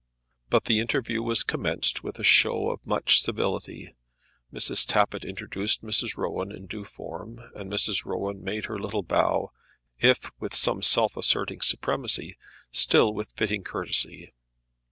But the interview was commenced with a show of much civility. Mrs. Tappitt introduced Mrs. Rowan in due form, and Mrs. Rowan made her little bow, if with some self asserting supremacy, still with fitting courtesy.